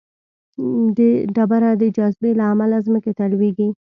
ډبره د جاذبې له امله ځمکې ته لویږي.